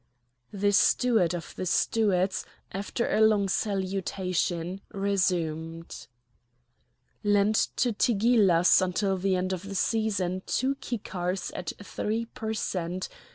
The Steward of the stewards, after a long salutation, resumed: "Lent to Tigillas until the end of the season two kikars at three per cent.